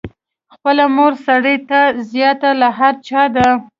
خپله مور سړي ته زیاته له هر چا ده.